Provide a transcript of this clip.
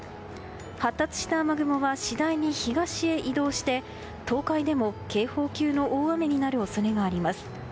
発達した雨雲は次第に東へ移動して東海でも警報級の大雨になる恐れがあります。